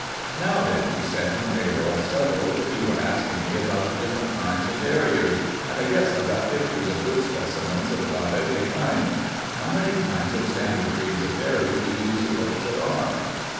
"Now, then," he said when they were all settled, "you were asking me about the different kinds of terriers, and I guess I've got pictures of good specimens of about every kind. How many kinds of standard breeds of terriers do you suppose there are?"